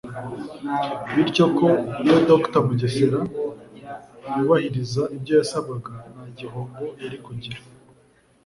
bityo ko iyo Dr Mugesera yubahiriza ibyo yasabwaga nta gihombo yari kugira